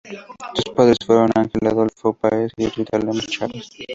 Sus padres fueron Ángel Adolfo Páez y Rita Lemos Chávez.